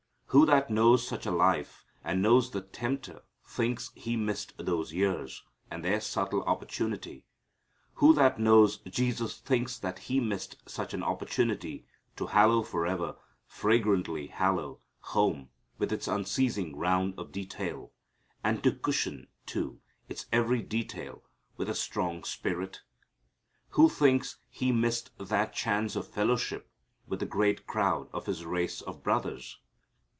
Who that knows such a life, and knows the tempter, thinks he missed those years, and their subtle opportunity? Who that knows Jesus thinks that He missed such an opportunity to hallow forever, fragantly hallow, home, with its unceasing round of detail, and to cushion, too, its every detail with a sweet strong spirit? Who thinks He missed that chance of fellowship with the great crowd of His race of brothers?